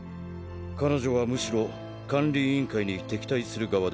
彼女はむしろ管理委員会に敵対する側でしたね。